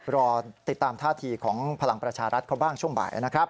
รอติดตามท่าทีของพลังประชารัฐเขาบ้างช่วงบ่ายนะครับ